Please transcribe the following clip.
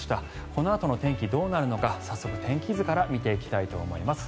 このあとの天気どうなるのか早速、天気図から見ていきたいと思います。